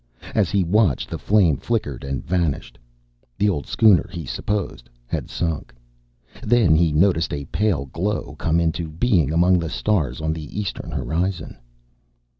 As he watched, the flame flickered and vanished: the old schooner, he supposed, had sunk. Then he noticed a pale glow come into being among the stars on the eastern horizon.